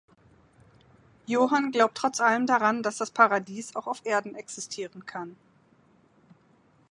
Johan glaubt trotz allem daran, dass das Paradies auch auf Erden existieren kann.